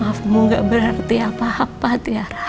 maafmu gak berarti apa apa tiar